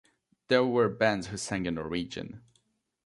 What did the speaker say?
These were bands who sang in Norwegian.